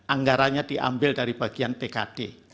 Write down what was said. anggaranya diambil dari bagian pkd